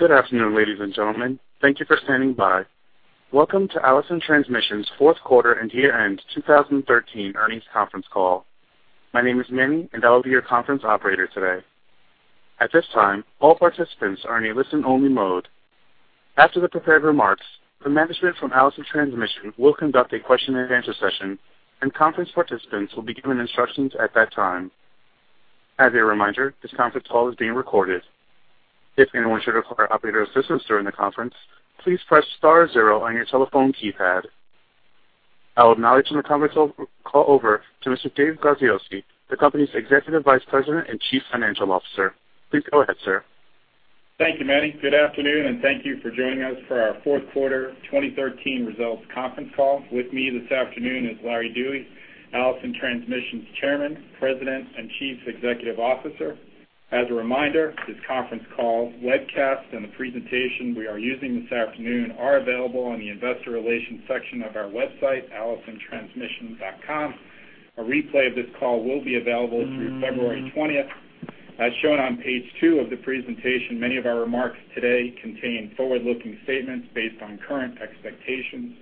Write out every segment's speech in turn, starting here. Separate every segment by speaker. Speaker 1: Good afternoon, ladies and gentlemen. Thank you for standing by. Welcome to Allison Transmission's fourth quarter and year-end 2013 earnings conference call. My name is Manny, and I'll be your conference operator today. At this time, all participants are in a listen-only mode. After the prepared remarks, the management from Allison Transmission will conduct a question-and-answer session, and conference participants will be given instructions at that time. As a reminder, this conference call is being recorded. If anyone should require operator assistance during the conference, please press star zero on your telephone keypad. I will now turn the conference call over to Mr. Dave Graziosi, the company's Executive Vice President and Chief Financial Officer. Please go ahead, sir.
Speaker 2: Thank you, Manny. Good afternoon, and thank you for joining us for our fourth quarter 2013 results conference call. With me this afternoon is Larry Dewey, Allison Transmission's Chairman, President, and Chief Executive Officer. As a reminder, this conference call webcast and the presentation we are using this afternoon are available on the investor relations section of our website, allisontransmission.com. A replay of this call will be available through February 20. As shown on page two of the presentation, many of our remarks today contain forward-looking statements based on current expectations.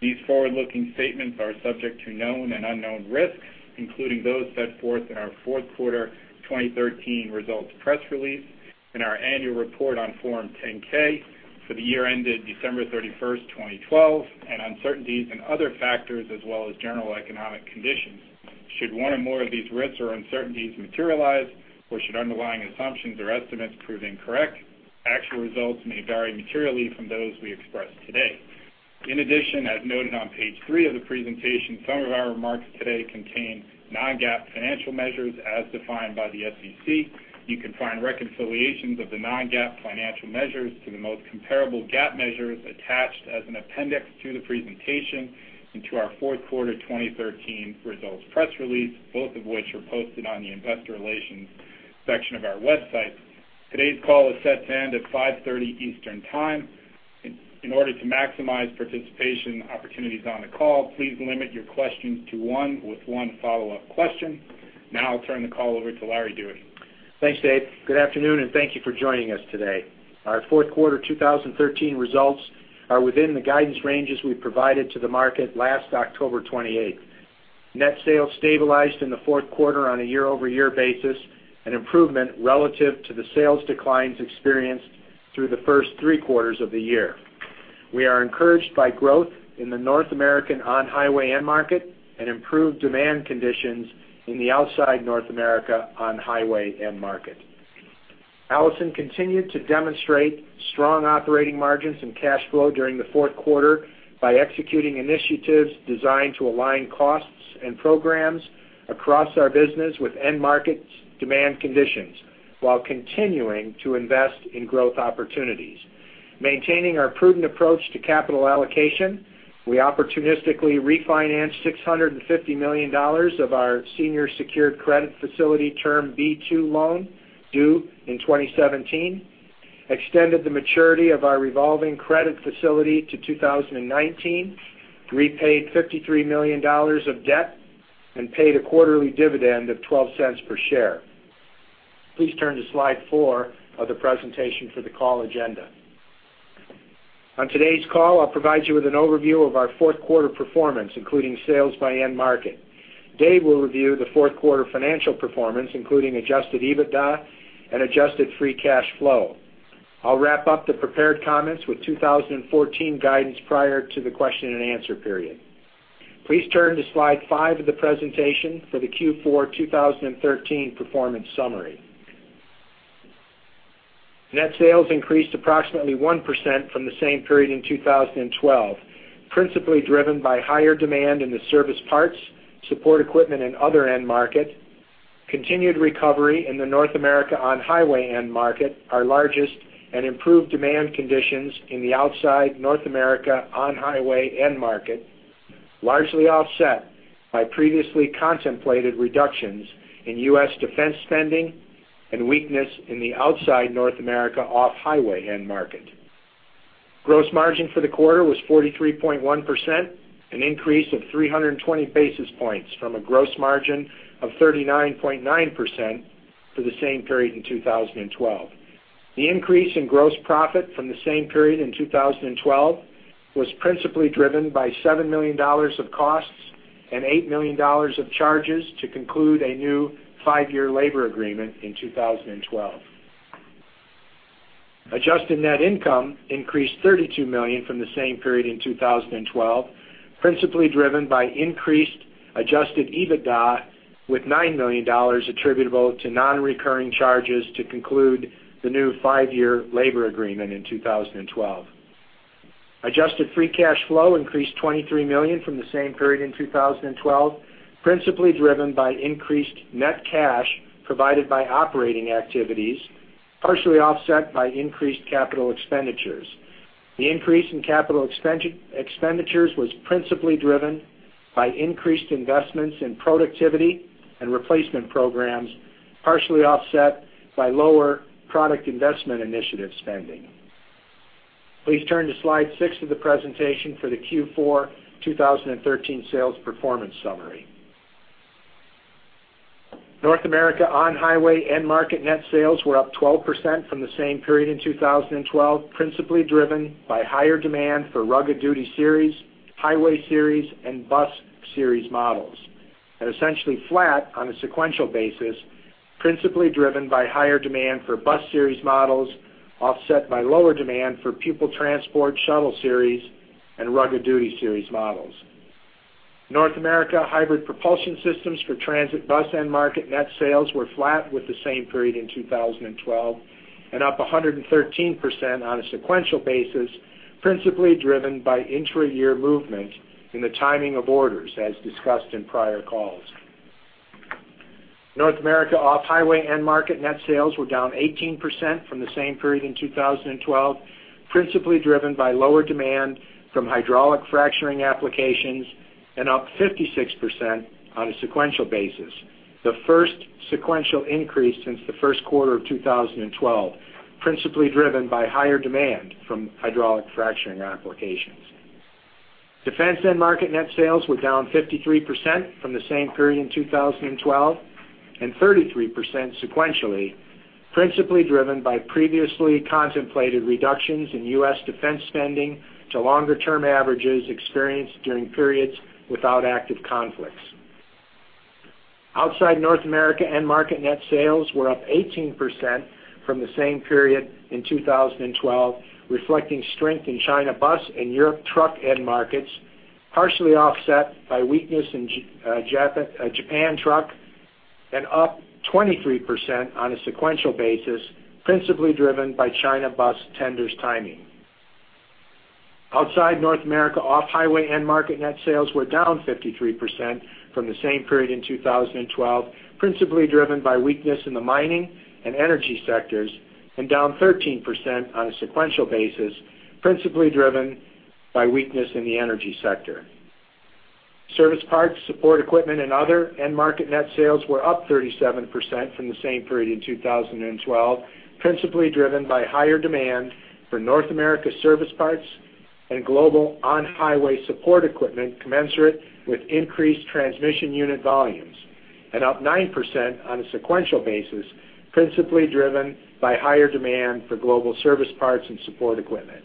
Speaker 2: These forward-looking statements are subject to known and unknown risks, including those set forth in our fourth quarter 2013 results press release, in our annual report on Form 10-K for the year ended December 31, 2012, and uncertainties and other factors, as well as general economic conditions. Should one or more of these risks or uncertainties materialize, or should underlying assumptions or estimates prove incorrect, actual results may vary materially from those we express today. In addition, as noted on page three of the presentation, some of our remarks today contain non-GAAP financial measures as defined by the SEC. You can find reconciliations of the non-GAAP financial measures to the most comparable GAAP measures attached as an appendix to the presentation and to our fourth quarter 2013 results press release, both of which are posted on the investor relations section of our website. Today's call is set to end at 5:30 P.M. Eastern Time. In order to maximize participation opportunities on the call, please limit your questions to one with one follow-up question. Now I'll turn the call over to Larry Dewey.
Speaker 3: Thanks, Dave. Good afternoon, and thank you for joining us today. Our fourth quarter 2013 results are within the guidance ranges we provided to the market last October 28th. Net sales stabilized in the fourth quarter on a year-over-year basis, an improvement relative to the sales declines experienced through the first three quarters of the year. We are encouraged by growth in the North American on-highway end market and improved demand conditions in the outside North America on-highway end market. Allison continued to demonstrate strong operating margins and cash flow during the fourth quarter by executing initiatives designed to align costs and programs across our business with end markets' demand conditions, while continuing to invest in growth opportunities. Maintaining our prudent approach to capital allocation, we opportunistically refinanced $650 million of our Senior Secured Credit Facility Term B-2 loan, due in 2017, extended the maturity of our Revolving Credit Facility to 2019, repaid $53 million of debt, and paid a quarterly dividend of $0.12 per share. Please turn to slide 4 of the presentation for the call agenda. On today's call, I'll provide you with an overview of our fourth quarter performance, including sales by end market. Dave will review the fourth quarter financial performance, including Adjusted EBITDA and Adjusted Free Cash Flow. I'll wrap up the prepared comments with 2014 guidance prior to the question-and-answer period. Please turn to slide 5 of the presentation for the Q4 2013 performance summary. Net sales increased approximately 1% from the same period in 2012, principally driven by higher demand in the service parts, support equipment and other end market, continued recovery in the North America on-highway end market, our largest, and improved demand conditions in the outside North America on-highway end market, largely offset by previously contemplated reductions in US defense spending and weakness in the outside North America off-highway end market. Gross margin for the quarter was 43.1%, an increase of 320 basis points from a gross margin of 39.9% for the same period in 2012. The increase in gross profit from the same period in 2012 was principally driven by $7 million of costs and $8 million of charges to conclude a new five-year labor agreement in 2012. Adjusted net income increased $32 million from the same period in 2012, principally driven by increased adjusted EBITDA, with $9 million attributable to non-recurring charges to conclude the new five-year labor agreement in 2012. Adjusted free cash flow increased $23 million from the same period in 2012, principally driven by increased net cash provided by operating activities, partially offset by increased capital expenditures. The increase in capital expenditures was principally driven by increased investments in productivity and replacement programs, partially offset by lower product investment initiative spending. Please turn to slide 6 of the presentation for the Q4 2013 sales performance summary.... North America on-highway end market net sales were up 12% from the same period in 2012, principally driven by higher demand for Rugged Duty Series, Highway Series, and Bus Series models, and essentially flat on a sequential basis, principally driven by higher demand for Bus Series models, offset by lower demand for Pupil Transport/Shuttle Series and Rugged Duty Series models. North America hybrid propulsion systems for transit bus end market net sales were flat with the same period in 2012, and up 113% on a sequential basis, principally driven by intra-year movement in the timing of orders, as discussed in prior calls. North America off-highway end market net sales were down 18% from the same period in 2012, principally driven by lower demand from hydraulic fracturing applications, and up 56% on a sequential basis, the first sequential increase since the first quarter of 2012, principally driven by higher demand from hydraulic fracturing applications. Defense end market net sales were down 53% from the same period in 2012, and 33% sequentially, principally driven by previously contemplated reductions in U.S. defense spending to longer term averages experienced during periods without active conflicts. Outside North America, end market net sales were up 18% from the same period in 2012, reflecting strength in China bus and Europe truck end markets, partially offset by weakness in J-, Japan truck, and up 23% on a sequential basis, principally driven by China bus tenders timing. Outside North America, off-highway end market net sales were down 53% from the same period in 2012, principally driven by weakness in the mining and energy sectors, and down 13% on a sequential basis, principally driven by weakness in the energy sector. Service parts, support equipment, and other end market net sales were up 37% from the same period in 2012, principally driven by higher demand for North America service parts and global on-highway support equipment, commensurate with increased transmission unit volumes, and up 9% on a sequential basis, principally driven by higher demand for global service parts and support equipment.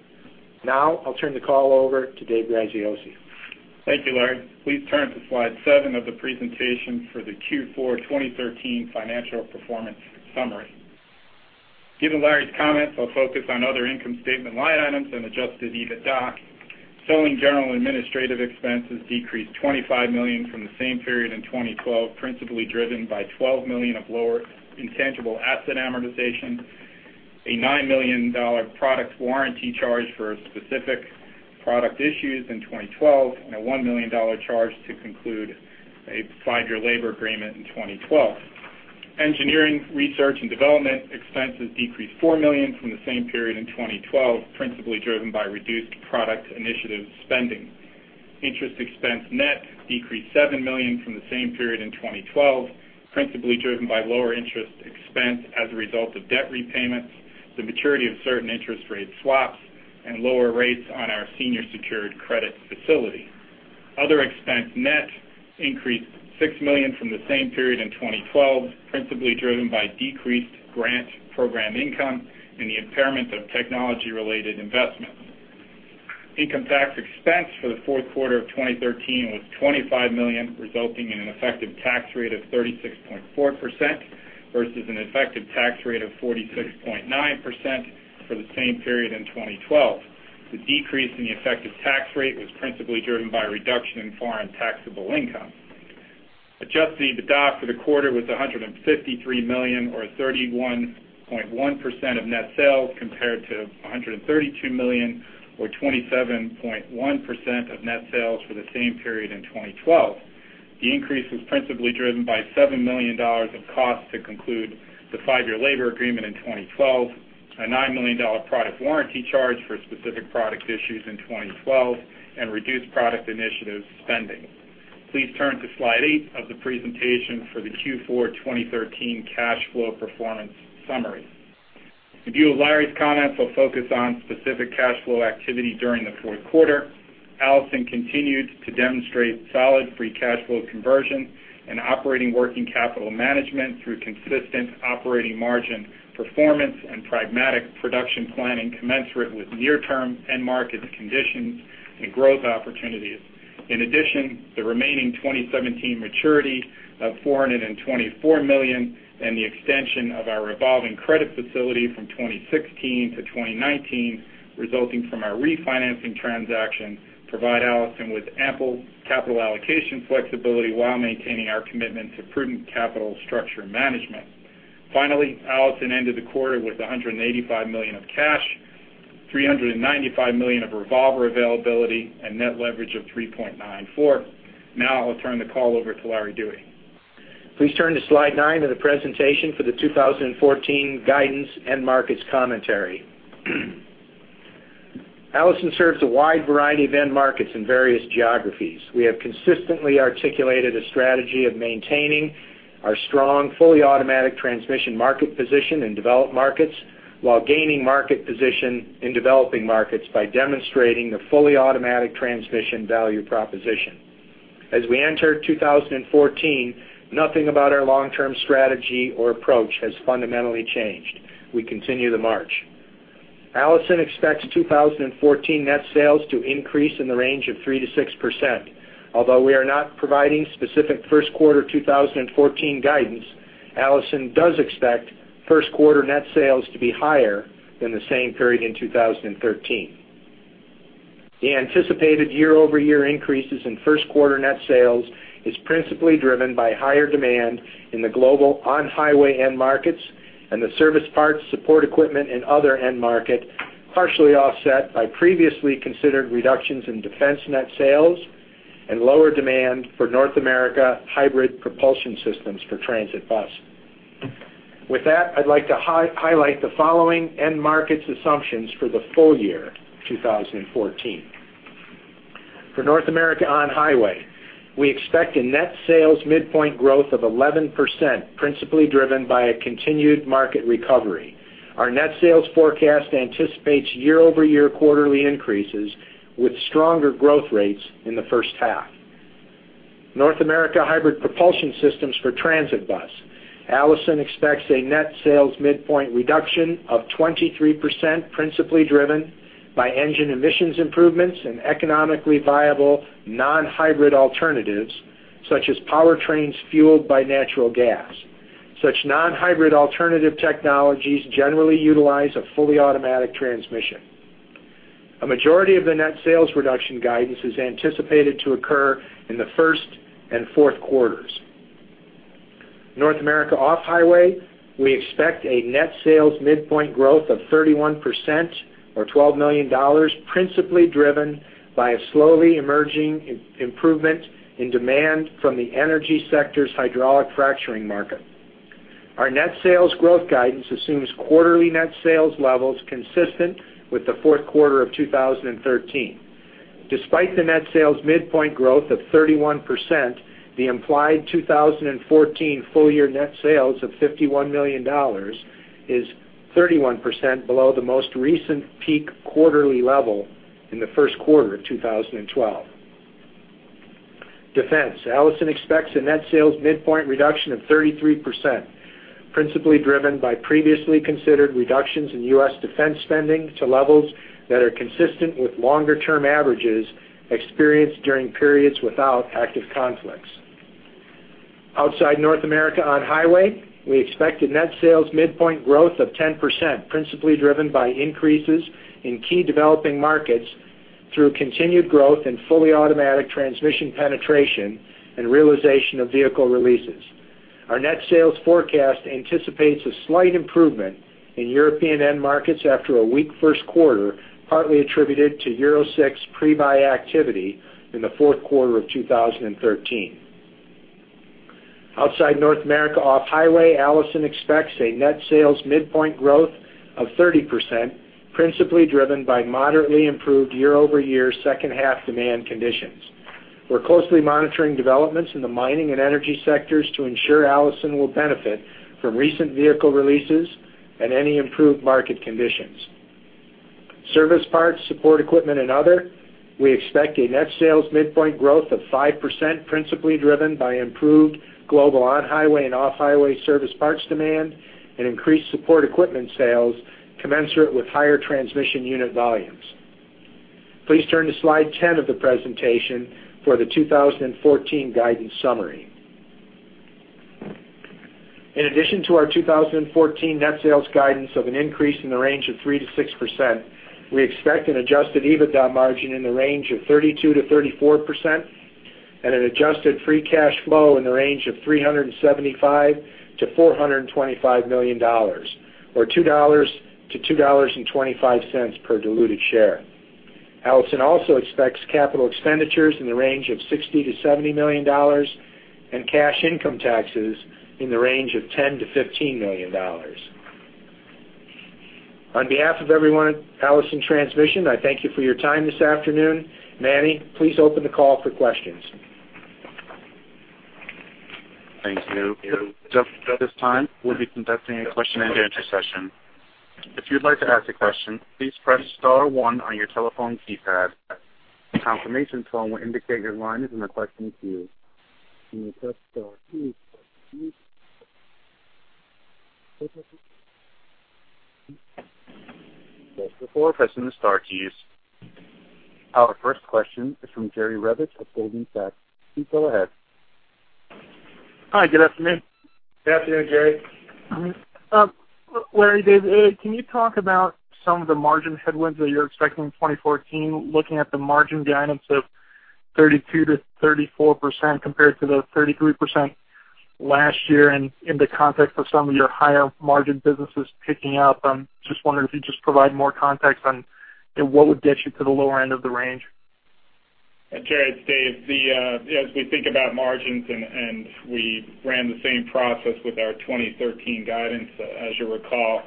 Speaker 3: Now I'll turn the call over to Dave Graziosi.
Speaker 2: Thank you, Larry. Please turn to Slide seven of the presentation for the Q4 2013 financial performance summary. Given Larry's comments, I'll focus on other income statement line items and Adjusted EBITDA. Selling general administrative expenses decreased $25 million from the same period in 2012, principally driven by $12 million of lower intangible asset amortization, a $9 million product warranty charge for specific product issues in 2012, and a $1 million charge to conclude a five-year labor agreement in 2012. Engineering, research, and development expenses decreased $4 million from the same period in 2012, principally driven by reduced product initiative spending. Interest expense net decreased $7 million from the same period in 2012, principally driven by lower interest expense as a result of debt repayments, the maturity of certain interest rate swaps, and lower rates on our senior secured credit facility. Other expense net increased $6 million from the same period in 2012, principally driven by decreased grant program income and the impairment of technology-related investments. Income tax expense for the fourth quarter of 2013 was $25 million, resulting in an effective tax rate of 36.4% versus an effective tax rate of 46.9% for the same period in 2012. The decrease in the effective tax rate was principally driven by a reduction in foreign taxable income. Adjusted EBITDA for the quarter was $153 million, or 31.1% of net sales, compared to $132 million, or 27.1% of net sales for the same period in 2012. The increase was principally driven by $7 million of costs to conclude the 5-year labor agreement in 2012, a $9 million product warranty charge for specific product issues in 2012, and reduced product initiative spending. Please turn to Slide eight of the presentation for the Q4 2013 cash flow performance summary. In view of Larry's comments, I'll focus on specific cash flow activity during the fourth quarter. Allison continued to demonstrate solid free cash flow conversion and operating working capital management through consistent operating margin performance and pragmatic production planning, commensurate with near-term end market conditions and growth opportunities. In addition, the remaining 2017 maturity of $424 million and the extension of our revolving credit facility from 2016 to 2019, resulting from our refinancing transaction, provide Allison with ample capital allocation flexibility while maintaining our commitment to prudent capital structure management. Finally, Allison ended the quarter with $185 million of cash, $395 million of revolver availability, and net leverage of 3.94. Now I'll turn the call over to Larry Dewey.
Speaker 3: Please turn to Slide nine of the presentation for the 2014 guidance end markets commentary. Allison serves a wide variety of end markets in various geographies. We have consistently articulated a strategy of maintaining our strong, fully automatic transmission market position in developed markets, while gaining market position in developing markets by demonstrating the fully automatic transmission value proposition. As we enter 2014, nothing about our long-term strategy or approach has fundamentally changed. We continue the march. Allison expects 2014 net sales to increase in the range of 3%-6%. Although we are not providing specific first quarter 2014 guidance, Allison does expect first quarter net sales to be higher than the same period in 2013. The anticipated year-over-year increases in first quarter net sales is principally driven by higher demand in the global on-highway end markets and the service parts, support equipment, and other end market, partially offset by previously considered reductions in defense net sales and lower demand for North America hybrid propulsion systems for transit bus. With that, I'd like to highlight the following end markets assumptions for the full year, 2014. For North America on-highway, we expect a net sales midpoint growth of 11%, principally driven by a continued market recovery. Our net sales forecast anticipates year-over-year quarterly increases with stronger growth rates in the first half. North America hybrid propulsion systems for transit bus, Allison expects a net sales midpoint reduction of 23%, principally driven by engine emissions improvements and economically viable non-hybrid alternatives, such as powertrains fueled by natural gas. Such non-hybrid alternative technologies generally utilize a fully automatic transmission. A majority of the net sales reduction guidance is anticipated to occur in the first and fourth quarters. North America off-highway, we expect a net sales midpoint growth of 31%, or $12 million, principally driven by a slowly emerging improvement in demand from the energy sector's hydraulic fracturing market. Our net sales growth guidance assumes quarterly net sales levels consistent with the fourth quarter of 2013. Despite the net sales midpoint growth of 31%, the implied 2014 full-year net sales of $51 million is 31% below the most recent peak quarterly level in the first quarter of 2012. Defense, Allison expects a net sales midpoint reduction of 33%, principally driven by previously considered reductions in U.S. defense spending to levels that are consistent with longer-term averages experienced during periods without active conflicts. Outside North America on highway, we expect a net sales midpoint growth of 10%, principally driven by increases in key developing markets through continued growth and fully automatic transmission penetration and realization of vehicle releases. Our net sales forecast anticipates a slight improvement in European end markets after a weak first quarter, partly attributed to Euro VI pre-buy activity in the fourth quarter of 2013. Outside North America off-highway, Allison expects a net sales midpoint growth of 30%, principally driven by moderately improved year-over-year second half demand conditions. We're closely monitoring developments in the mining and energy sectors to ensure Allison will benefit from recent vehicle releases and any improved market conditions. Service parts, support equipment, and other, we expect a net sales midpoint growth of 5%, principally driven by improved global on-highway and off-highway service parts demand and increased support equipment sales commensurate with higher transmission unit volumes. Please turn to slide 10 of the presentation for the 2014 guidance summary. In addition to our 2014 net sales guidance of an increase in the range of 3%-6%, we expect an adjusted EBITDA margin in the range of 32%-34% and an adjusted free cash flow in the range of $375 million-$425 million, or $2-$2.25 per diluted share. Allison also expects capital expenditures in the range of $60 million-$70 million and cash income taxes in the range of $10 million-$15 million. On behalf of everyone at Allison Transmission, I thank you for your time this afternoon. Manny, please open the call for questions.
Speaker 1: Thank you. Just at this time, we'll be conducting a question-and-answer session. If you'd like to ask a question, please press star one on your telephone keypad. A confirmation tone will indicate your line is in the question queue. When you press star two before pressing the star keys. Our first question is from Jerry Revich at Goldman Sachs. Please go ahead.
Speaker 4: Hi, good afternoon.
Speaker 3: Good afternoon, Jerry.
Speaker 4: Larry, Dave, can you talk about some of the margin headwinds that you're expecting in 2014, looking at the margin guidance of 32%-34% compared to the 33% last year, and in the context of some of your higher margin businesses picking up? Just wondering if you could just provide more context on, you know, what would get you to the lower end of the range?
Speaker 2: Jerry, it's Dave. As we think about margins and, and we ran the same process with our 2013 guidance, as you'll recall,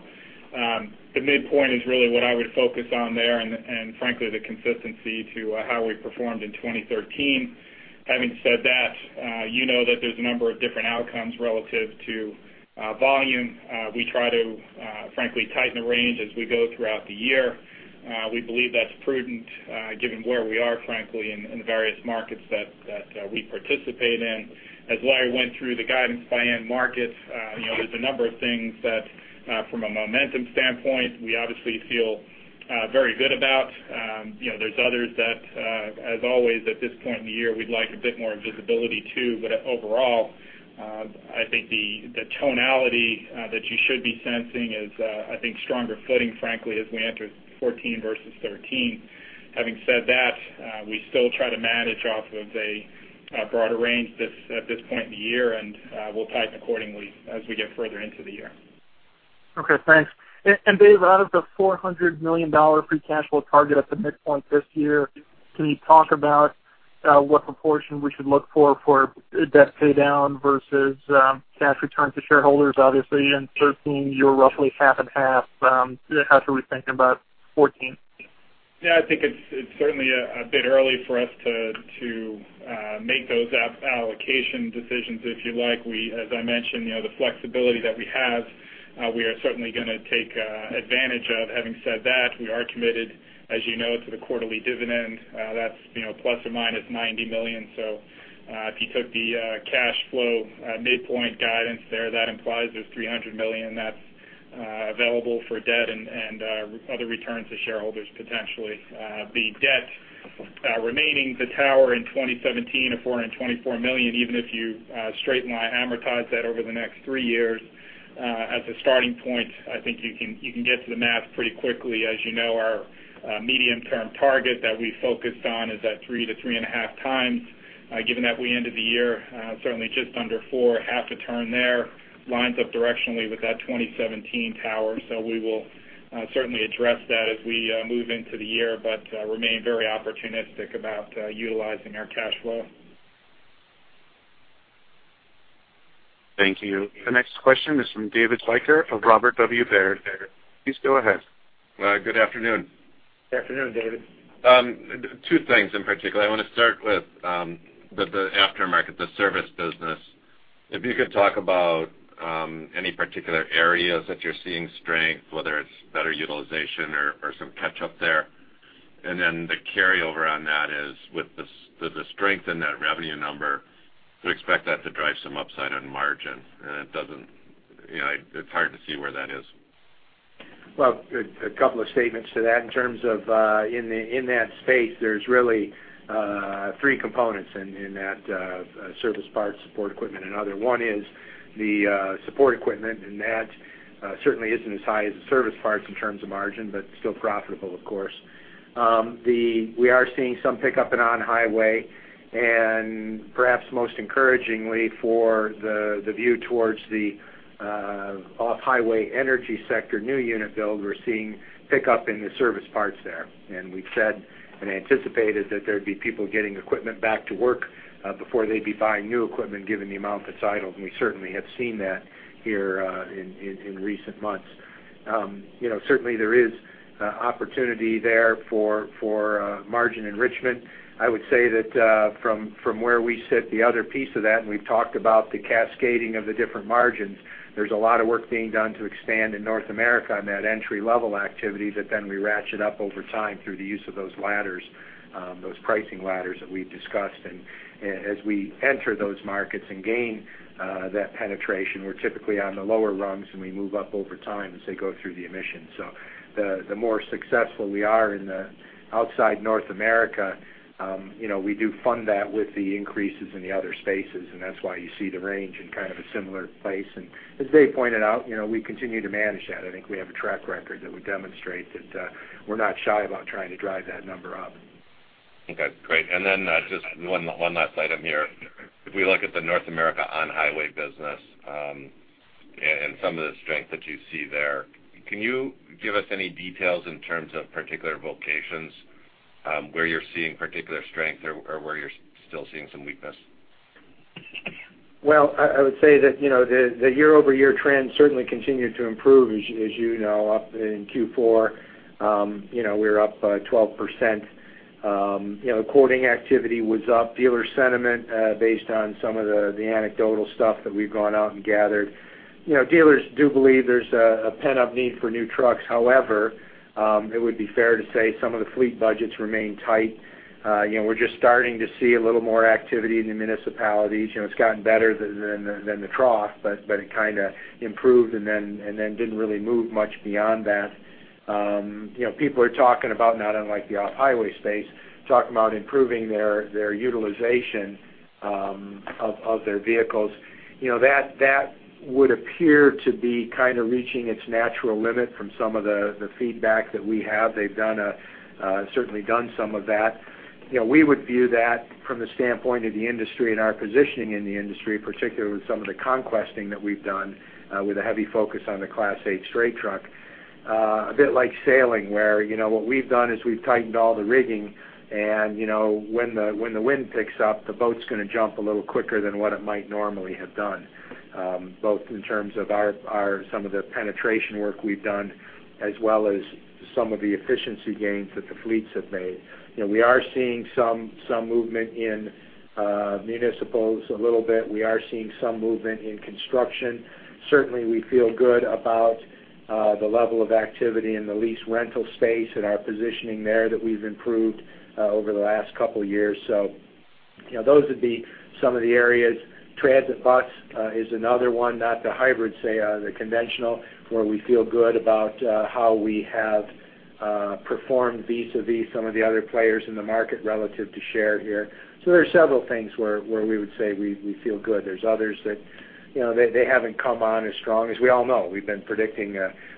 Speaker 2: the midpoint is really what I would focus on there, and, and frankly, the consistency to how we performed in 2013. Having said that, you know that there's a number of different outcomes relative to volume. We try to frankly, tighten the range as we go throughout the year. ... we believe that's prudent, given where we are, frankly, in the various markets that we participate in. As Larry went through the guidance by end markets, you know, there's a number of things that from a momentum standpoint, we obviously feel very good about. You know, there's others that as always, at this point in the year, we'd like a bit more visibility too. But overall, I think the tonality that you should be sensing is, I think, stronger footing, frankly, as we enter 2014 versus 2013. Having said that, we still try to manage off of a broader range at this point in the year, and we'll tighten accordingly as we get further into the year.
Speaker 4: Okay, thanks. And, and Dave, out of the $400 million free cash flow target at the midpoint this year, can you talk about what proportion we should look for, for debt paydown versus cash return to shareholders? Obviously, in 2013, you were roughly half and half. How should we think about 2014?
Speaker 2: Yeah, I think it's certainly a bit early for us to make those allocation decisions, if you like. As I mentioned, you know, the flexibility that we have, we are certainly gonna take advantage of. Having said that, we are committed, as you know, to the quarterly dividend, that's, you know, plus or minus $90 million. So, if you took the cash flow midpoint guidance there, that implies there's $300 million that's available for debt and other returns to shareholders potentially. The debt remaining, the tower in 2017 of $424 million, even if you straighten or amortize that over the next three years, as a starting point, I think you can get to the math pretty quickly. As you know, our medium-term target that we focused on is 3x-3.5x. Given that we ended the year certainly just under 4, half the turn there, lines up directionally with that 2017 tower. So we will certainly address that as we move into the year, but remain very opportunistic about utilizing our cash flow.
Speaker 1: Thank you. The next question is from David Leiker of Robert W. Baird. Please go ahead.
Speaker 5: Good afternoon.
Speaker 3: Good afternoon, David.
Speaker 5: Two things in particular. I want to start with the aftermarket, the service business. If you could talk about any particular areas that you're seeing strength, whether it's better utilization or some catch-up there. And then the carryover on that is, with the strength in that revenue number, you expect that to drive some upside on margin, and it doesn't, you know, it's hard to see where that is.
Speaker 3: Well, a couple of statements to that. In terms of, in that space, there's really three components in that, service parts, support equipment and other. One is the support equipment, and that certainly isn't as high as the service parts in terms of margin, but still profitable, of course. We are seeing some pickup in on-highway, and perhaps most encouragingly for the view towards the off-highway energy sector, new unit build, we're seeing pickup in the service parts there. And we've said and anticipated that there'd be people getting equipment back to work, before they'd be buying new equipment, given the amount that's idle, and we certainly have seen that here, in recent months. You know, certainly there is opportunity there for margin enrichment. I would say that, from where we sit, the other piece of that, and we've talked about the cascading of the different margins, there's a lot of work being done to expand in North America on that entry-level activity, that then we ratchet up over time through the use of those ladders, those pricing ladders that we've discussed. And as we enter those markets and gain that penetration, we're typically on the lower rungs, and we move up over time as they go through the emissions. So the more successful we are in the outside North America, you know, we do fund that with the increases in the other spaces, and that's why you see the range in kind of a similar place. And as Dave pointed out, you know, we continue to manage that. I think we have a track record that would demonstrate that, we're not shy about trying to drive that number up.
Speaker 5: Okay, great. And then just one last item here. If we look at the North America on-highway business, and some of the strength that you see there, can you give us any details in terms of particular locations, where you're seeing particular strength or where you're still seeing some weakness?
Speaker 3: Well, I would say that, you know, the year-over-year trends certainly continue to improve, as you know, up in Q4. You know, we're up 12%. You know, quoting activity was up, dealer sentiment based on some of the anecdotal stuff that we've gone out and gathered. You know, dealers do believe there's a pent-up need for new trucks. However, it would be fair to say some of the fleet budgets remain tight. You know, we're just starting to see a little more activity in the municipalities. You know, it's gotten better than the trough, but it kind of improved and then didn't really move much beyond that. You know, people are talking about, not unlike the off-highway space, talking about improving their utilization of their vehicles. You know, that would appear to be kind of reaching its natural limit from some of the feedback that we have. They've done certainly some of that. You know, we would view that from the standpoint of the industry and our positioning in the industry, particularly with some of the conquesting that we've done with a heavy focus on the Class 8 straight truck. A bit like sailing, where, you know, what we've done is we've tightened all the rigging, and, you know, when the wind picks up, the boat's gonna jump a little quicker than what it might normally have done, both in terms of our some of the penetration work we've done, as well as some of the efficiency gains that the fleets have made. You know, we are seeing some movement in municipals a little bit. We are seeing some movement in construction. Certainly, we feel good about the level of activity in the lease rental space and our positioning there that we've improved over the last couple years. So, you know, those would be some of the areas. Transit bus is another one, not the hybrid, say, the conventional, where we feel good about how we have performed vis-a-vis some of the other players in the market relative to share here. So there are several things where we would say we feel good. There's others that, you know, they haven't come on as strong as we all know. We've been predicting,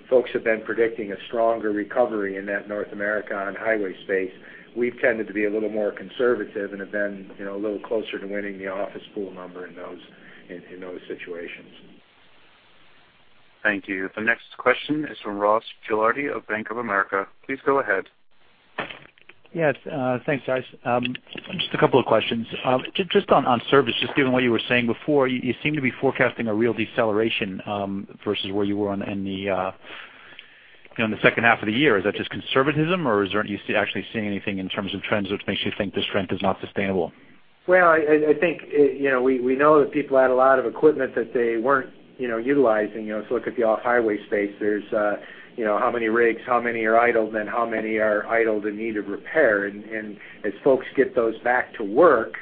Speaker 3: folks have been predicting a stronger recovery in that North America on-highway space. We've tended to be a little more conservative and have been, you know, a little closer to winning the office pool number in those situations.
Speaker 1: Thank you. The next question is from Ross Gilardi of Bank of America. Please go ahead.
Speaker 6: Yes, thanks, guys. Just a couple of questions. Just on, on service, just given what you were saying before, you seem to be forecasting a real deceleration versus where you were on in the you know, in the second half of the year. Is that just conservatism, or is there you actually seeing anything in terms of trends, which makes you think this trend is not sustainable?
Speaker 3: Well, I think, you know, we know that people had a lot of equipment that they weren't, you know, utilizing, you know, so look at the off-highway space. There's, you know, how many rigs, how many are idle, and how many are idle and need of repair? And as folks get those back to work,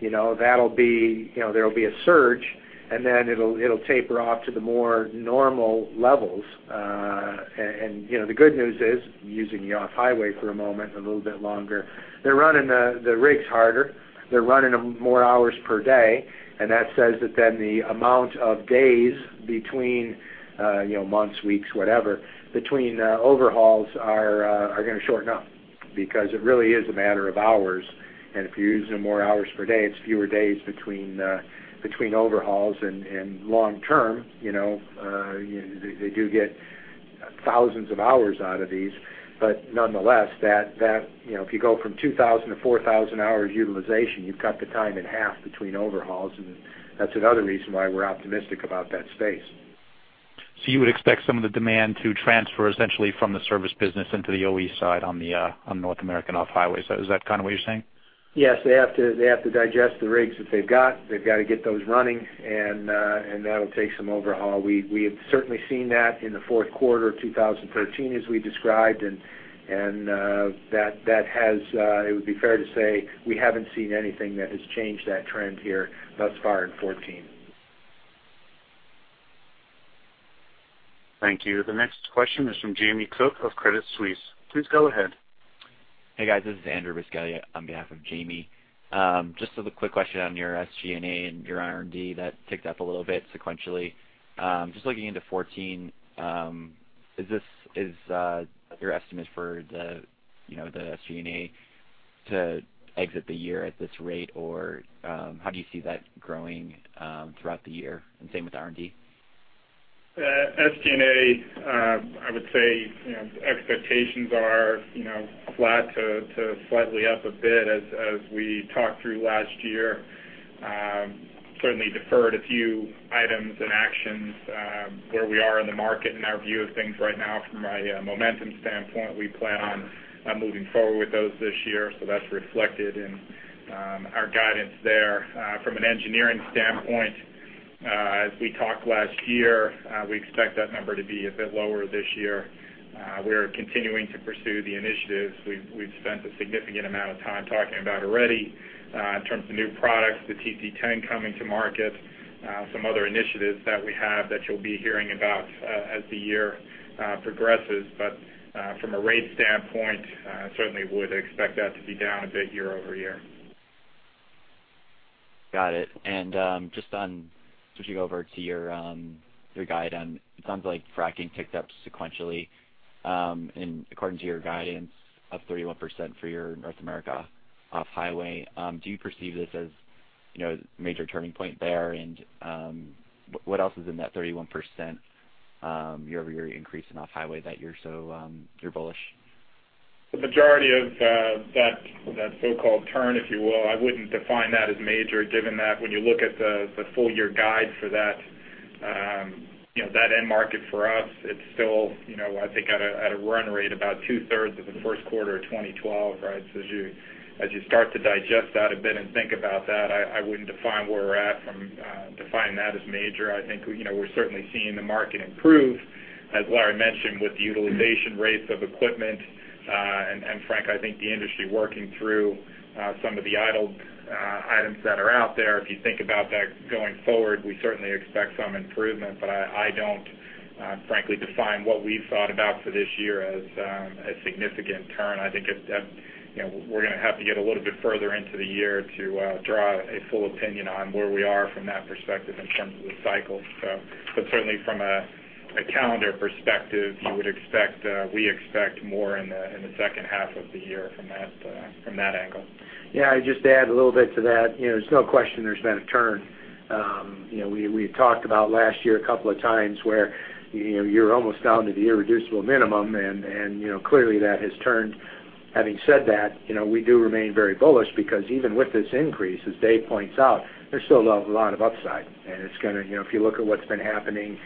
Speaker 3: you know, that'll be, you know, there'll be a surge, and then it'll taper off to the more normal levels. And, you know, the good news is, using the off-highway for a moment, a little bit longer, they're running the rigs harder, they're running them more hours per day, and that says that then the amount of days between, you know, months, weeks, whatever, between overhauls are gonna shorten up because it really is a matter of hours. And if you're using them more hours per day, it's fewer days between overhauls, and long term, you know, they do get thousands of hours out of these. But nonetheless, that, you know, if you go from 2000 to 4000 hours utilization, you've cut the time in half between overhauls, and that's another reason why we're optimistic about that space.
Speaker 6: You would expect some of the demand to transfer essentially from the service business into the OE side on North American off-highway. So is that kind of what you're saying?
Speaker 3: Yes. They have to, they have to digest the rigs that they've got. They've got to get those running, and that'll take some overhaul. We have certainly seen that in the fourth quarter of 2013, as we described, and that has. It would be fair to say, we haven't seen anything that has changed that trend here thus far in 2014.
Speaker 1: Thank you. The next question is from Jamie Cook of Credit Suisse. Please go ahead.
Speaker 7: Hey, guys. This is Andrew Buscaglia on behalf of Jamie. Just a quick question on your SG&A and your R&D. That ticked up a little bit sequentially. Just looking into 2014, is this your estimates for the, you know, the SG&A to exit the year at this rate? Or, how do you see that growing throughout the year, and same with R&D?
Speaker 2: SG&A, I would say, you know, expectations are, you know, flat to slightly up a bit. As we talked through last year, certainly deferred a few items and actions, where we are in the market and our view of things right now, from a momentum standpoint, we plan on moving forward with those this year, so that's reflected in our guidance there. From an engineering standpoint, as we talked last year, we expect that number to be a bit lower this year. We're continuing to pursue the initiatives. We've spent a significant amount of time talking about already, in terms of new products, the TC10 coming to market, some other initiatives that we have that you'll be hearing about, as the year progresses. From a rate standpoint, certainly would expect that to be down a bit year-over-year.
Speaker 7: Got it. Just on switching over to your, your guide, it sounds like fracking ticked up sequentially, and according to your guidance, up 31% for your North America off-highway. Do you perceive this as, you know, a major turning point there? What else is in that 31% year-over-year increase in off-highway that you're so, you're bullish?
Speaker 2: The majority of that so-called turn, if you will, I wouldn't define that as major, given that when you look at the full year guide for that, you know, that end market for us, it's still, you know, I think at a run rate about two-thirds of the first quarter of 2012, right? So as you start to digest that a bit and think about that, I wouldn't define where we're at from, define that as major. I think, you know, we're certainly seeing the market improve, as Larry mentioned, with the utilization rates of equipment, and frankly, I think the industry working through some of the idled items that are out there. If you think about that going forward, we certainly expect some improvement, but I, I don't frankly define what we've thought about for this year as a significant turn. I think it, you know, we're gonna have to get a little bit further into the year to draw a full opinion on where we are from that perspective in terms of the cycle. So but certainly from a calendar perspective, you would expect, we expect more in the second half of the year from that angle.
Speaker 3: Yeah, I'd just add a little bit to that. You know, there's no question there's been a turn. You know, we talked about last year a couple of times where, you know, you're almost down to the irreducible minimum, and you know, clearly that has turned. Having said that, you know, we do remain very bullish because even with this increase, as Dave points out, there's still a lot of upside. And it's gonna. You know, if you look at what's been happening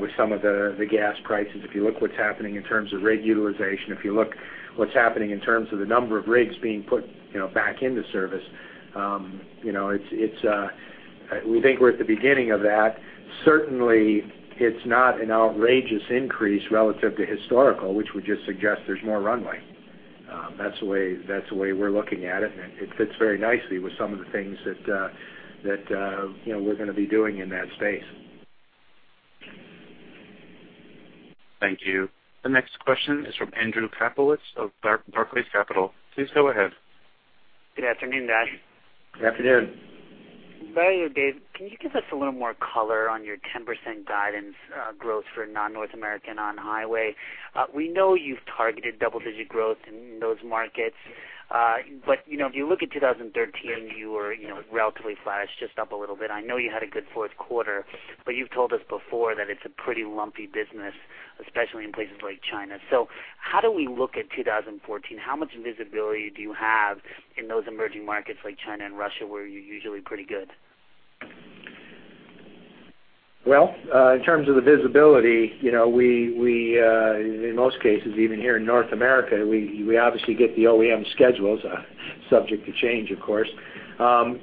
Speaker 3: with some of the gas prices, if you look what's happening in terms of rig utilization, if you look what's happening in terms of the number of rigs being put, you know, back into service, you know, it's. We think we're at the beginning of that. Certainly, it's not an outrageous increase relative to historical, which would just suggest there's more runway. That's the way, that's the way we're looking at it, and it fits very nicely with some of the things that, you know, we're gonna be doing in that space.
Speaker 1: Thank you. The next question is from Andrew Kaplowitz of Barclays Capital. Please go ahead.
Speaker 8: Good afternoon, Larry.
Speaker 3: Good afternoon.
Speaker 8: Larry or Dave, can you give us a little more color on your 10% guidance, growth for non-North American on-highway? We know you've targeted double-digit growth in those markets, but, you know, if you look at 2013, you were, you know, relatively flat. It's just up a little bit. I know you had a good fourth quarter, but you've told us before that it's a pretty lumpy business, especially in places like China. So how do we look at 2014? How much visibility do you have in those emerging markets like China and Russia, where you're usually pretty good?
Speaker 3: Well, in terms of the visibility, you know, we in most cases, even here in North America, we obviously get the OEM schedules, subject to change, of course.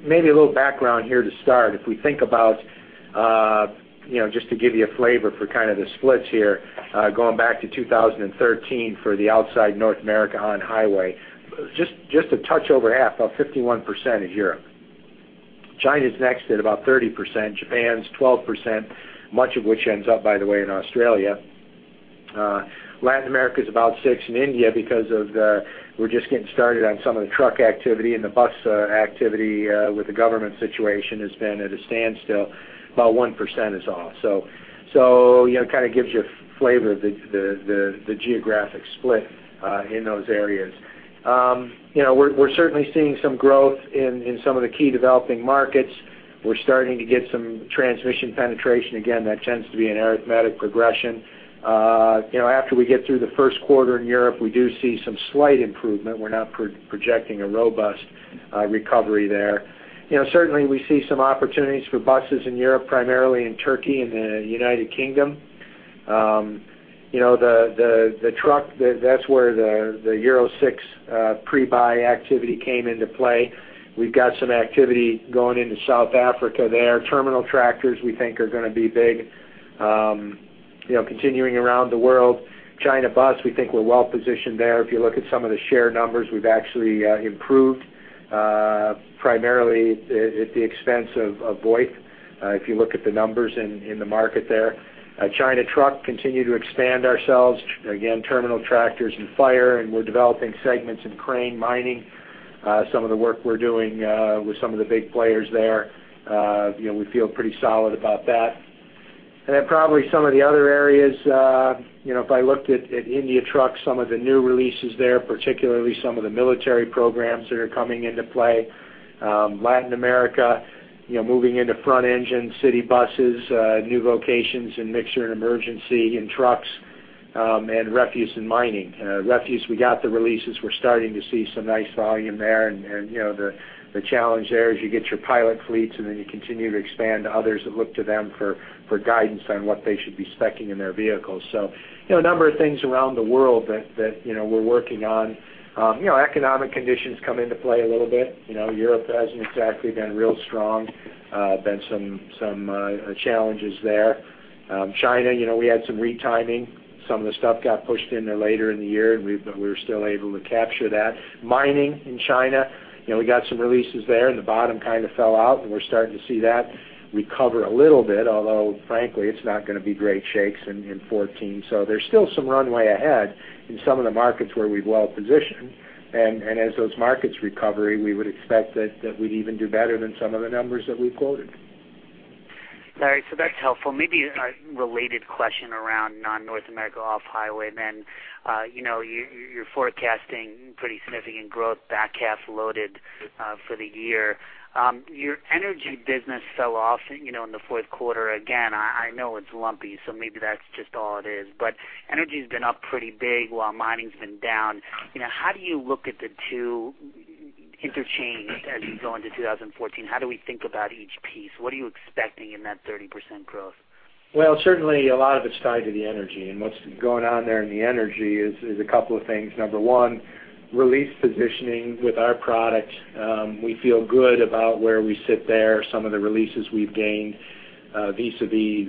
Speaker 3: Maybe a little background here to start. If we think about, you know, just to give you a flavor for kind of the splits here, going back to 2013 for the outside North America on-highway, just a touch over half, about 51% is Europe. China's next at about 30%, Japan's 12%, much of which ends up, by the way, in Australia. Latin America's about 6%, and India, because of the, we're just getting started on some of the truck activity and the bus activity, with the government situation has been at a standstill, about 1% is all. So, you know, it kind of gives you a flavor of the geographic split in those areas. You know, we're certainly seeing some growth in some of the key developing markets. We're starting to get some transmission penetration. Again, that tends to be an arithmetic progression. You know, after we get through the first quarter in Europe, we do see some slight improvement. We're not projecting a robust recovery there. You know, certainly, we see some opportunities for buses in Europe, primarily in Turkey and the United Kingdom. You know, the truck, that's where the Euro VI pre-buy activity came into play. We've got some activity going into South Africa there. Terminal tractors, we think, are gonna be big. You know, continuing around the world, China bus, we think we're well positioned there. If you look at some of the share numbers, we've actually improved, primarily at the expense of Voith, if you look at the numbers in the market there. China truck, continue to expand ourselves. Again, terminal tractors and fire, and we're developing segments in crane mining. Some of the work we're doing with some of the big players there, you know, we feel pretty solid about that. And then probably some of the other areas, you know, if I looked at India trucks, some of the new releases there, particularly some of the military programs that are coming into play. Latin America, you know, moving into front-engine city buses, new locations and mixture and emergency in trucks, and refuse and mining. Refuse, we got the releases. We're starting to see some nice volume there, and you know, the challenge there is you get your pilot fleets, and then you continue to expand to others that look to them for guidance on what they should be spec-ing in their vehicles. So, you know, a number of things around the world that you know, we're working on. You know, economic conditions come into play a little bit. You know, Europe hasn't exactly been real strong, been some challenges there. China, you know, we had some retiming. Some of the stuff got pushed in there later in the year, and but we were still able to capture that. Mining in China, you know, we got some releases there, and the bottom kind of fell out, and we're starting to see that recover a little bit, although frankly, it's not gonna be great shakes in 2014. So there's still some runway ahead in some of the markets where we've well positioned, and as those markets recovery, we would expect that we'd even do better than some of the numbers that we've quoted.
Speaker 8: All right. So that's helpful. Maybe a related question around non-North America off-highway, then. You know, you're forecasting pretty significant growth, back half loaded, for the year. Your energy business fell off, you know, in the fourth quarter. Again, I know it's lumpy, so maybe that's just all it is. But energy's been up pretty big, while mining's been down. You know, how do you look at the two interchanged as you go into 2014? How do we think about each piece? What are you expecting in that 30% growth?
Speaker 3: Well, certainly, a lot of it's tied to the energy. And what's going on there in the energy is a couple of things. Number one, release positioning with our product. We feel good about where we sit there, some of the releases we've gained vis-à-vis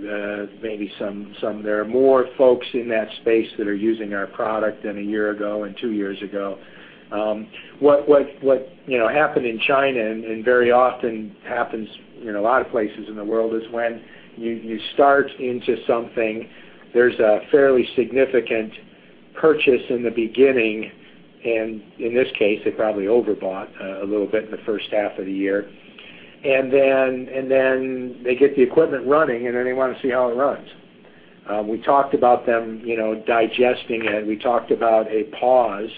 Speaker 3: maybe some there. More folks in that space that are using our product than a year ago and two years ago. You know, what happened in China and very often happens in a lot of places in the world is when you start into something, there's a fairly significant purchase in the beginning, and in this case, they probably overbought a little bit in the first half of the year. And then they get the equipment running, and then they want to see how it runs. We talked about them, you know, digesting it. We talked about a pause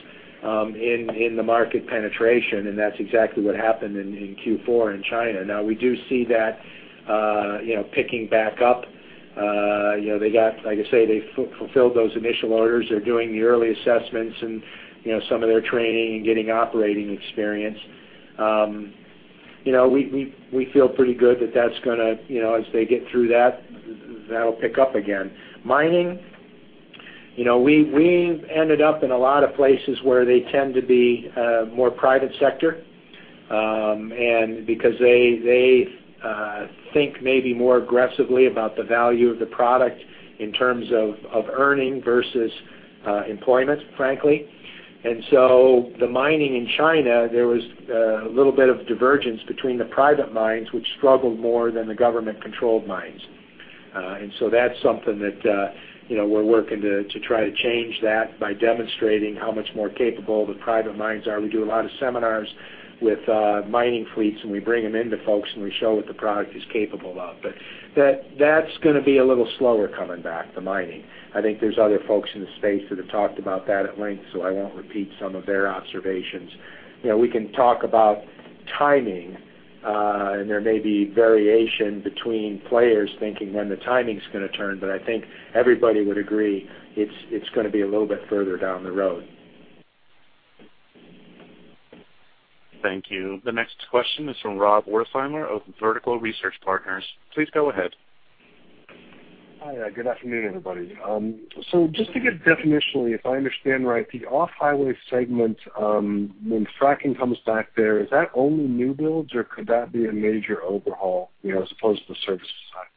Speaker 3: in the market penetration, and that's exactly what happened in Q4 in China. Now, we do see that, you know, picking back up. You know, they got, like I say, they fulfilled those initial orders. They're doing the early assessments and, you know, some of their training and getting operating experience. You know, we feel pretty good that that's gonna, you know, as they get through that, that'll pick up again. Mining? You know, we have ended up in a lot of places where they tend to be more private sector, and because they think maybe more aggressively about the value of the product in terms of earning versus employment, frankly. And so the mining in China, there was a little bit of divergence between the private mines, which struggled more than the government-controlled mines. And so that's something that, you know, we're working to try to change that by demonstrating how much more capable the private mines are. We do a lot of seminars with mining fleets, and we bring them into folks, and we show what the product is capable of. But that's gonna be a little slower coming back, the mining. I think there's other folks in the space that have talked about that at length, so I won't repeat some of their observations. You know, we can talk about timing, and there may be variation between players thinking when the timing's gonna turn, but I think everybody would agree, it's gonna be a little bit further down the road.
Speaker 1: Thank you. The next question is from Rob Wertheimer of Vertical Research Partners. Please go ahead.
Speaker 9: Hi, good afternoon, everybody. So just to get definitionally, if I understand right, the off-highway segment, when fracking comes back there, is that only new builds, or could that be a major overhaul, you know, as opposed to the service side?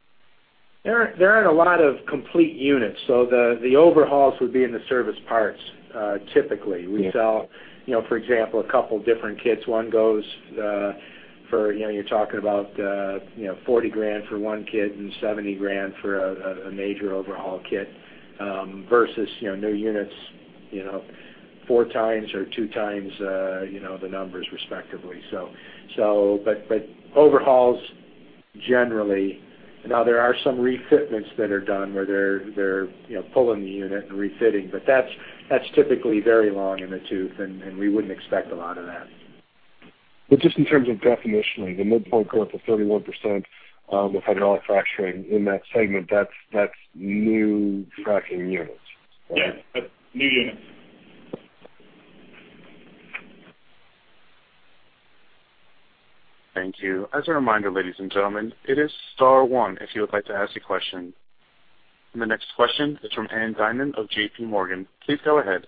Speaker 3: There aren't a lot of complete units, so the overhauls would be in the service parts, typically.
Speaker 9: Yeah.
Speaker 3: We sell, you know, for example, a couple different kits. One goes for, you know, you're talking about $40,000 for 1 kit and $70,000 for a major overhaul kit versus, you know, new units, you know, 4 times or 2 times the numbers respectively. So, but overhauls, generally... Now, there are some refitments that are done, where they're, you know, pulling the unit and refitting, but that's typically very long in the tooth, and we wouldn't expect a lot of that.
Speaker 9: But just in terms of definitionally, the midpoint growth of 31% of hydraulic fracturing in that segment, that's, that's new fracking units?
Speaker 3: Yes, that's new units.
Speaker 1: Thank you. As a reminder, ladies and gentlemen, it is star one if you would like to ask a question. The next question is from Ann Duignan of JPMorgan. Please go ahead.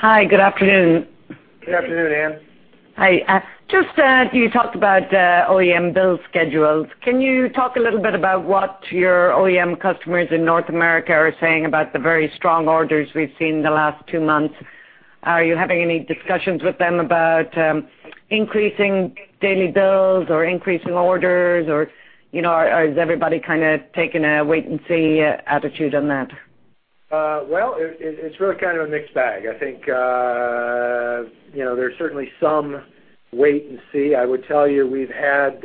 Speaker 10: Hi, good afternoon.
Speaker 3: Good afternoon, Ann.
Speaker 10: Hi, just you talked about OEM bill schedules. Can you talk a little bit about what your OEM customers in North America are saying about the very strong orders we've seen in the last two months? Are you having any discussions with them about increasing daily bills or increasing orders, or, you know, or has everybody kind of taken a wait and see attitude on that?
Speaker 3: Well, it's really kind of a mixed bag. I think, you know, there's certainly some wait and see. I would tell you, we've had,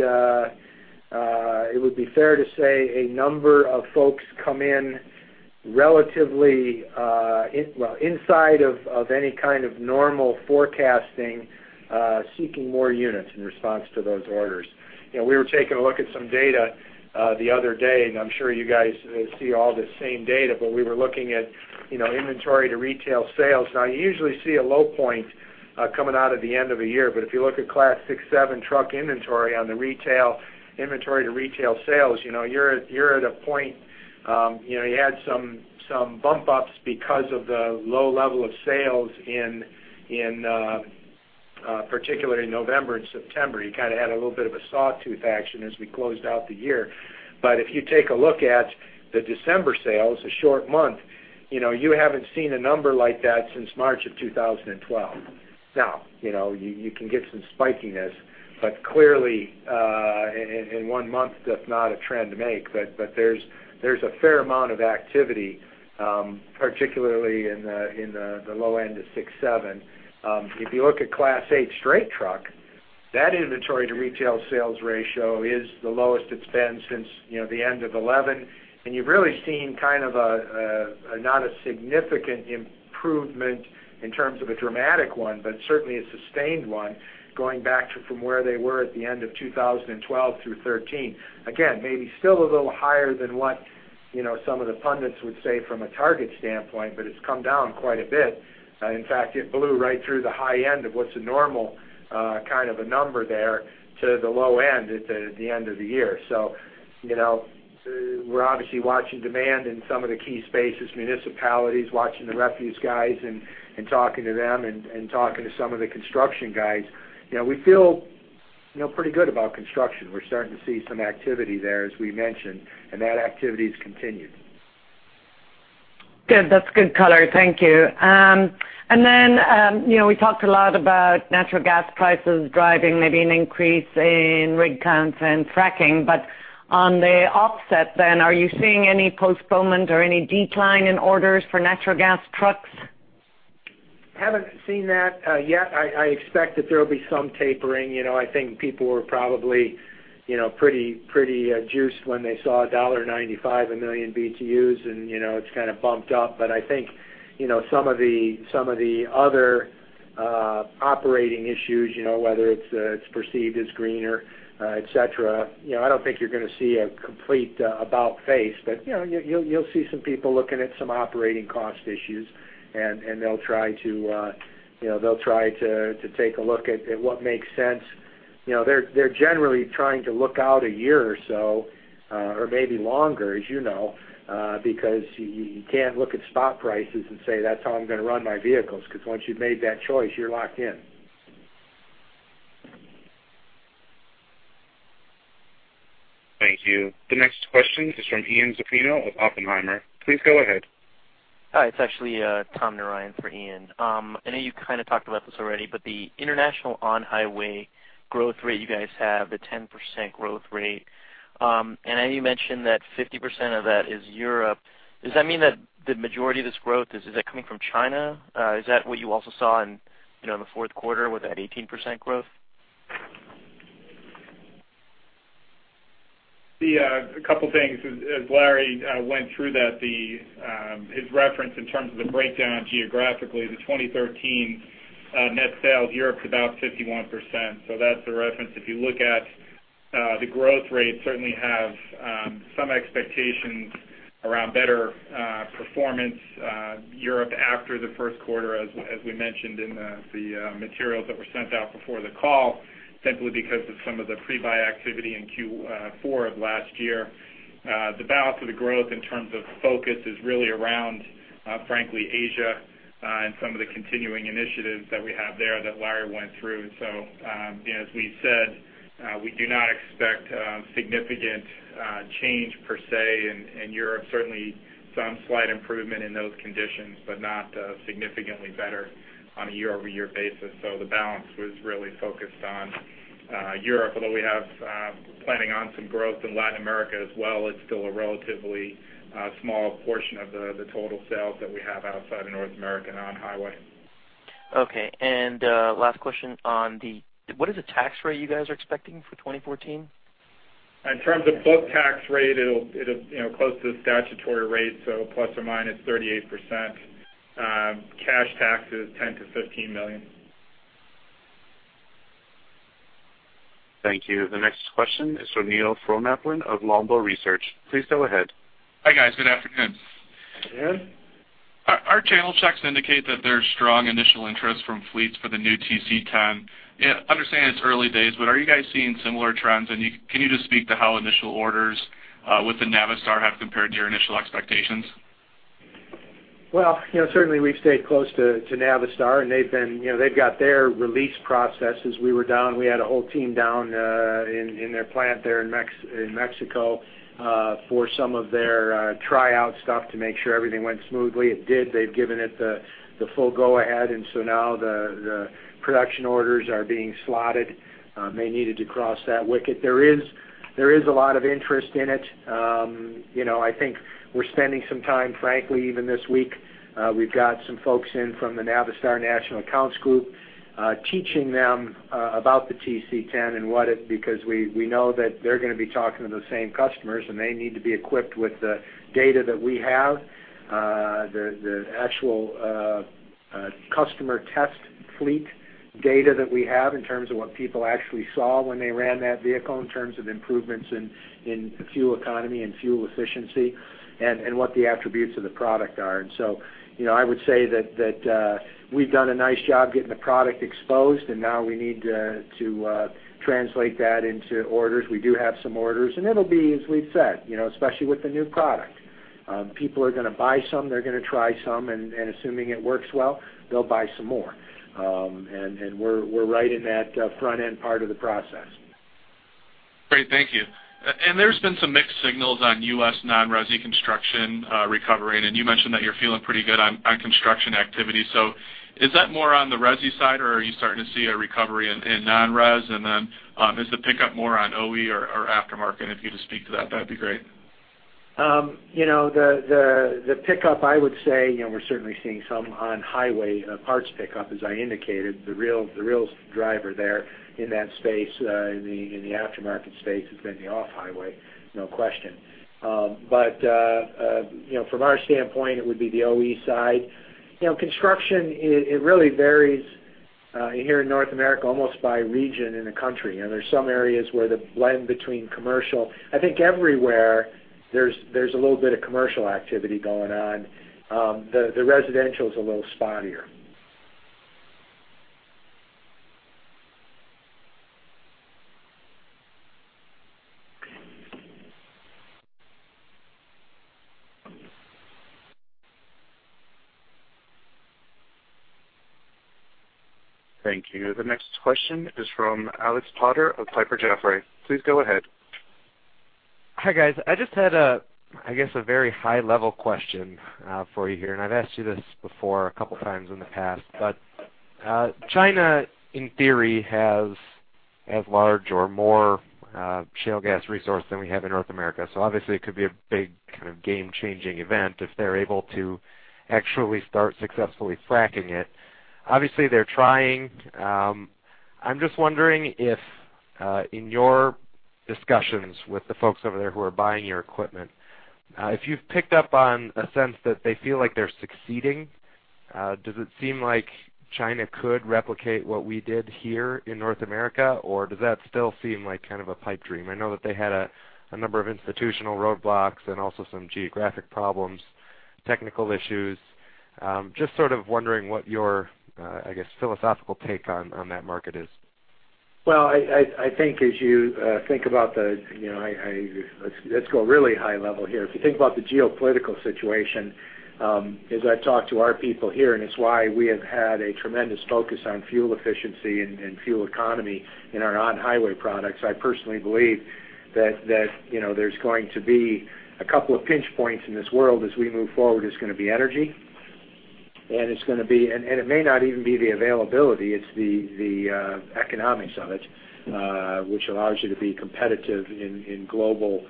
Speaker 3: it would be fair to say a number of folks come in relatively inside of any kind of normal forecasting, seeking more units in response to those orders. You know, we were taking a look at some data, the other day, and I'm sure you guys see all the same data, but we were looking at, you know, inventory to retail sales. Now, you usually see a low point coming out of the end of the year, but if you look at Class 6-7 truck inventory on the retail inventory to retail sales, you know, you're at a point, you know, you had some bump ups because of the low level of sales in, particularly in November and September. You kind of had a little bit of a sawtooth action as we closed out the year. But if you take a look at the December sales, a short month, you know, you haven't seen a number like that since March of 2012. Now, you know, you can get some spikiness, but clearly, in one month, that's not a trend to make. But there's a fair amount of activity, particularly in the low end of 6-7. If you look at Class 8 straight truck, that inventory to retail sales ratio is the lowest it's been since, you know, the end of 2011. And you've really seen kind of a not a significant improvement in terms of a dramatic one, but certainly a sustained one, going back to from where they were at the end of 2012 through 2013. Again, maybe still a little higher than what, you know, some of the pundits would say from a target standpoint, but it's come down quite a bit. In fact, it blew right through the high end of what's a normal kind of a number there, to the low end at the end of the year. So, you know, we're obviously watching demand in some of the key spaces, municipalities, watching the refuse guys and talking to them and talking to some of the construction guys. You know, we feel, you know, pretty good about construction. We're starting to see some activity there, as we mentioned, and that activity has continued.
Speaker 10: Good. That's good color. Thank you. You know, we talked a lot about natural gas prices driving maybe an increase in rig counts and fracking, but on the offset then, are you seeing any postponement or any decline in orders for natural gas trucks?
Speaker 3: Haven't seen that yet. I expect that there will be some tapering. You know, I think people were probably, you know, pretty juiced when they saw $1.95 a million BTUs and, you know, it's kind of bumped up. But I think, you know, some of the other operating issues, you know, whether it's perceived as greener, et cetera, you know, I don't think you're gonna see a complete about face, but, you know, you'll see some people looking at some operating cost issues, and they'll try to, you know, they'll try to take a look at what makes sense. You know, they're generally trying to look out a year or so, or maybe longer, as you know, because you can't look at spot prices and say, that's how I'm going to run my vehicles, because once you've made that choice, you're locked in.
Speaker 1: Thank you. The next question is from Ian Zaffino of Oppenheimer. Please go ahead.
Speaker 11: Hi, it's actually Tom Narayan for Ian. I know you kind of talked about this already, but the international on-highway growth rate you guys have, the 10% growth rate. And I know you mentioned that 50% of that is Europe. Does that mean that the majority of this growth is coming from China? Is that what you also saw in, you know, in the fourth quarter with that 18% growth?
Speaker 2: A couple things. As Larry went through that, his reference in terms of the breakdown geographically, the 2013 net sales, Europe, about 51%. So that's the reference. If you look at the growth rate, certainly have some expectations around better performance, Europe, after the first quarter, as we mentioned in the materials that were sent out before the call, simply because of some of the pre-buy activity in Q4 of last year. The balance of the growth in terms of focus is really around, frankly, Asia, and some of the continuing initiatives that we have there that Larry went through. So, as we said, we do not expect a significant change per se in Europe. Certainly, some slight improvement in those conditions, but not significantly better on a year-over-year basis. So the balance was really focused on Europe, although we have planning on some growth in Latin America as well. It's still a relatively small portion of the total sales that we have outside of North America and on-highway.
Speaker 11: Okay. And, last question on the—what is the tax rate you guys are expecting for 2014?
Speaker 2: In terms of book tax rate, it'll, you know, close to the statutory rate, so ±38%. Cash tax is $10 million-$15 million.
Speaker 1: Thank you. The next question is from Neil Frohnapfel of Longbow Research. Please go ahead.
Speaker 12: Hi, guys. Good afternoon.
Speaker 3: Hey, Neil.
Speaker 12: Our channel checks indicate that there's strong initial interest from fleets for the new TC10. I understand it's early days, but are you guys seeing similar trends? And you- can you just speak to how initial orders with the Navistar have compared to your initial expectations?
Speaker 3: Well, you know, certainly we've stayed close to Navistar, and they've been, you know, they've got their release processes. We were down—we had a whole team down in their plant there in Mexico for some of their tryout stuff to make sure everything went smoothly. It did. They've given it the full go-ahead, and so now the production orders are being slotted. They needed to cross that wicket. There is a lot of interest in it. You know, I think we're spending some time, frankly, even this week, we've got some folks in from the Navistar National Accounts group, teaching them about the TC10 and what it, because we, we know that they're going to be talking to those same customers, and they need to be equipped with the data that we have, the actual customer test fleet data that we have in terms of what people actually saw when they ran that vehicle, in terms of improvements in fuel economy and fuel efficiency, and what the attributes of the product are. And so, you know, I would say that, we've done a nice job getting the product exposed, and now we need to translate that into orders. We do have some orders, and it'll be, as we've said, you know, especially with the new product, people are going to buy some, they're going to try some, and assuming it works well, they'll buy some more. And we're right in that front-end part of the process.
Speaker 12: Great, thank you. And there's been some mixed signals on U.S. non-resi construction recovering, and you mentioned that you're feeling pretty good on construction activity. So is that more on the resi side, or are you starting to see a recovery in non-resi? And then, is the pickup more on OE or aftermarket? If you just speak to that, that'd be great.
Speaker 3: You know, the pickup, I would say, you know, we're certainly seeing some on-highway parts pickup, as I indicated. The real driver there in that space, in the aftermarket space, has been the off-highway, no question. But you know, from our standpoint, it would be the OE side. You know, construction, it really varies here in North America, almost by region in the country. You know, there's some areas where the blend between commercial—I think everywhere there's a little bit of commercial activity going on. The residential is a little spottier.
Speaker 1: Thank you. The next question is from Alex Potter of Piper Jaffray. Please go ahead.
Speaker 13: Hi, guys. I just had, I guess, a very high-level question for you here, and I've asked you this before a couple times in the past. But, China, in theory, has as large or more shale gas resource than we have in North America. So obviously, it could be a big, kind of, game-changing event if they're able to actually start successfully fracking it. Obviously, they're trying. I'm just wondering if, in your discussions with the folks over there who are buying your equipment, if you've picked up on a sense that they feel like they're succeeding, does it seem like China could replicate what we did here in North America, or does that still seem like kind of a pipe dream? I know that they had a number of institutional roadblocks and also some geographic problems, technical issues. Just sort of wondering what your, I guess, philosophical take on that market is?
Speaker 3: Well, I think as you think about the, you know, let's go really high level here. If you think about the geopolitical situation, as I talk to our people here, and it's why we have had a tremendous focus on fuel efficiency and fuel economy in our on-highway products. I personally believe that, you know, there's going to be a couple of pinch points in this world as we move forward. It's gonna be energy, and it's gonna be and it may not even be the availability, it's the economics of it, which allows you to be competitive in global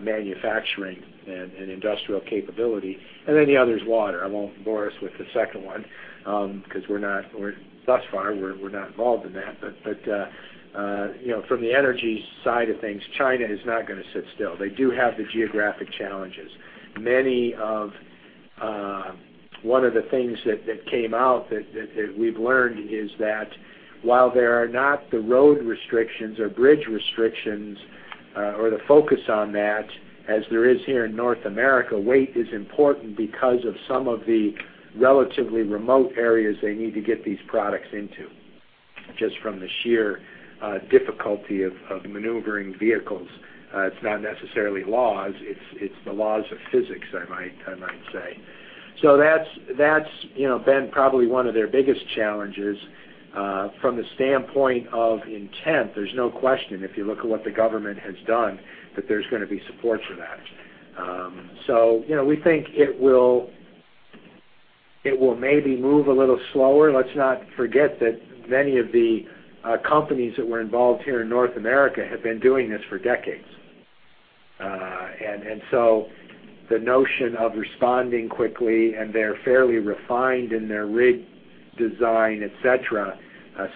Speaker 3: manufacturing and industrial capability. And then the other is water. I won't bore us with the second one, 'cause we're not involved in that thus far. But, you know, from the energy side of things, China is not gonna sit still. They do have the geographic challenges. Many of, One of the things that we've learned is that while there are not the road restrictions or bridge restrictions, or the focus on that, as there is here in North America, weight is important because of some of the relatively remote areas they need to get these products into, just from the sheer difficulty of maneuvering vehicles. It's not necessarily laws, it's the laws of physics, I might say. So that's, you know, been probably one of their biggest challenges. From the standpoint of intent, there's no question, if you look at what the government has done, that there's gonna be support for that. So, you know, we think it will maybe move a little slower. Let's not forget that many of the companies that were involved here in North America have been doing this for decades. And so the notion of responding quickly, and they're fairly refined in their rig design, et cetera,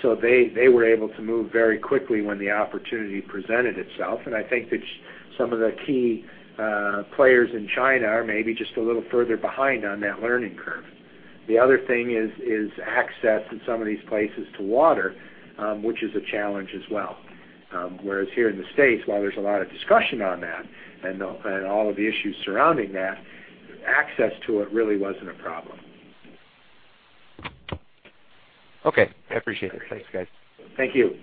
Speaker 3: so they were able to move very quickly when the opportunity presented itself. And I think that some of the key players in China are maybe just a little further behind on that learning curve. The other thing is access in some of these places to water, which is a challenge as well. Whereas here in the States, while there's a lot of discussion on that and all of the issues surrounding that, access to it really wasn't a problem.
Speaker 13: Okay, I appreciate it. Thanks, guys.
Speaker 3: Thank you.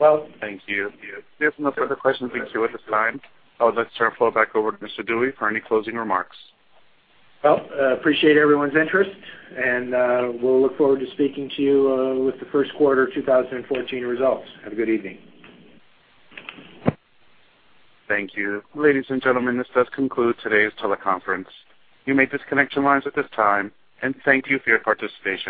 Speaker 3: Well-
Speaker 1: Thank you. If there are no further questions, thank you at this time. I would like to turn the floor back over to Mr. Dewey for any closing remarks.
Speaker 3: Well, appreciate everyone's interest, and we'll look forward to speaking to you with the first quarter 2014 results. Have a good evening.
Speaker 1: Thank you. Ladies and gentlemen, this does conclude today's teleconference. You may disconnect your lines at this time, and thank you for your participation.